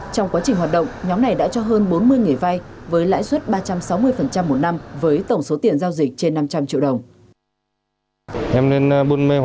trong quá trình hoạt động nhóm này đã cho hơn bốn mươi nghề vai với lãi suất ba trăm sáu mươi một năm với tổng số tiền giao dịch